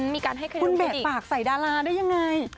มีการให้เคยรู้ดีคุณเบะปากใส่ดาราได้ยังไง